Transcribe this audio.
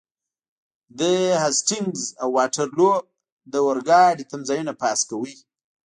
د هسټینګز او واټرلو د اورګاډي تمځایونه پاس کوئ.